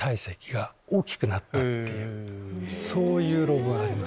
そういう論文があります。